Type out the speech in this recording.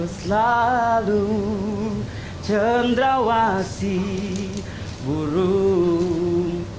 selalu cenderawasi burung emas